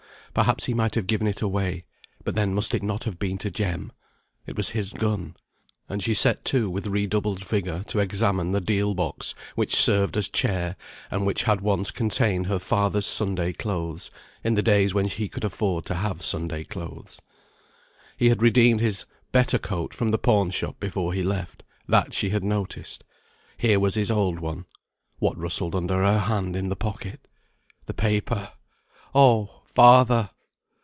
perhaps he might have given it away; but then must it not have been to Jem? It was his gun. And she set to with redoubled vigour to examine the deal box which served as chair, and which had once contained her father's Sunday clothes, in the days when he could afford to have Sunday clothes. He had redeemed his better coat from the pawn shop before he left, that she had noticed. Here was his old one. What rustled under her hand in the pocket? The paper! "Oh! Father!"